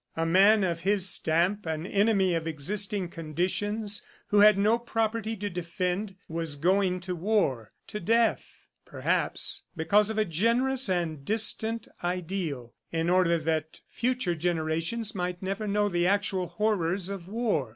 A man of his stamp, an enemy of existing conditions, who had no property to defend, was going to war to death, perhaps because of a generous and distant ideal, in order that future generations might never know the actual horrors of war!